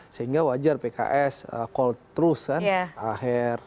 sehingga wajar pks call terus kan aher